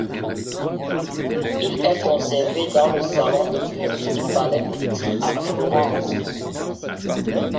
Il est conservé dans le salon de Vénus du Palais Pitti à Florence.